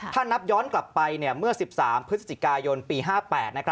ถ้านับย้อนกลับไปเมื่อ๑๓พฤศจิกายนปี๕๘